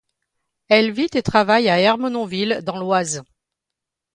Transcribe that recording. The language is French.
Elle vit et travaille à Ermenonville dans l'Oise.